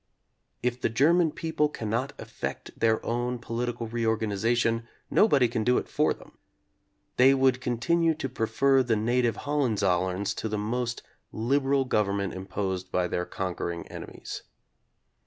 If the German people cannot effect their own political reorganization, nobody can do it for them. They would continue to prefer the native Hohenzollerns to the most liberal government imposed by their conquering enemies.